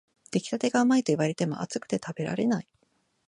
出来たてがうまいと言われても、熱くて食べられない